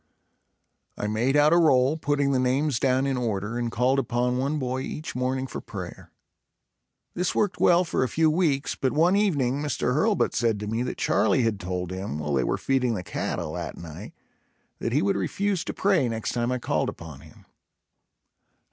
I made out a roll, putting the names down in order and called upon one boy each morning for prayer. This worked well for a few weeks, but one evening Mr. Hurlbut said to me that Charlie had told him, while they were feeding the cattle, that night, that he would refuse to pray next time I called upon him.